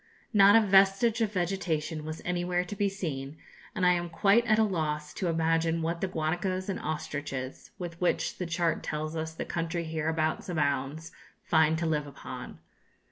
Not a vestige of vegetation was anywhere to be seen, and I am quite at a loss to imagine what the guanacos and ostriches, with which the chart tells us the country hereabouts abounds, find to live upon.